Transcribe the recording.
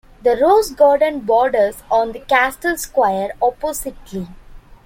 The rose garden borders on the castle square oppositely.